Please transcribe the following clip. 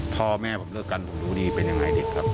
พ่อแม่ผมเลิกกันผมดูดีเป็นอย่างไรดีครับ